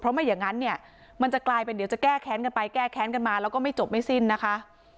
ไม่อย่างนั้นเนี่ยมันจะกลายเป็นเดี๋ยวจะแก้แค้นกันไปแก้แค้นกันมาแล้วก็ไม่จบไม่สิ้นนะคะ